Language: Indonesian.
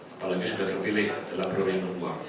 apalagi sudah terpilih dalam perhitungan